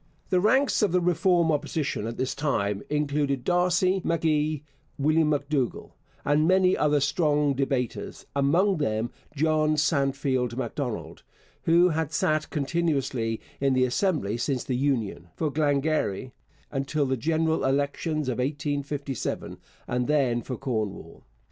The ranks of the Reform Opposition at this time included D'Arcy M'Gee, William M'Dougall, and many other strong debaters, among them John Sandfield Macdonald, who had sat continuously in the Assembly since the Union for Glengarry until the general elections of 1857, and then for Cornwall.